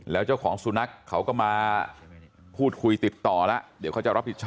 แล้วเจ้าของสุนัขเขาก็มาพูดคุยติดต่อแล้วเดี๋ยวเขาจะรับผิดชอบ